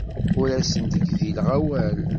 Ur asent-gdileɣ awal.